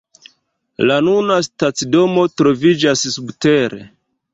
La nuna stacidomo troviĝas subtere.